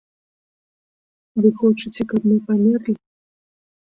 Вы хочаце, каб мы памерлі?!